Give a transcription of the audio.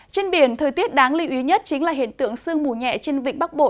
trên biển thời tiết đáng lưu ý nhất chính là hiện tượng sương mù nhẹ trên vịnh bắc bộ